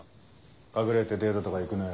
隠れてデートとか行くなよ。